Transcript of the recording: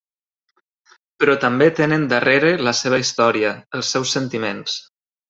Però també tenen darrere la seva història, els seus sentiments.